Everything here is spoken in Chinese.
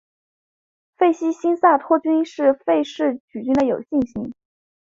费希新萨托菌是费氏曲霉的有性型。